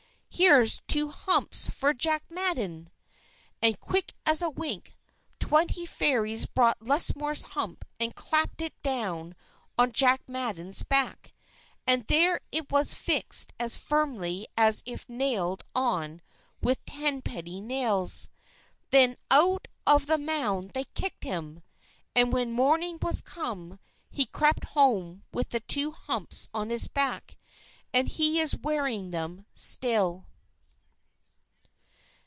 Here's two humps for Jack Madden!_" And quick as a wink, twenty Fairies brought Lusmore's hump and clapped it down on Jack Madden's back, and there it was fixed as firmly as if nailed on with tenpenny nails. Then out of the mound they kicked him. And when morning was come, he crept home with the two humps on his back and he is wearing them still.